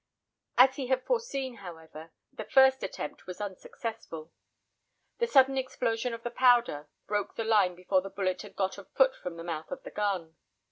As he had foreseen, however, the first attempt was unsuccessful. The sudden explosion of the powder broke the line before the bullet had got a foot from the mouth of the gun.